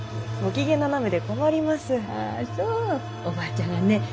おばあちゃんがね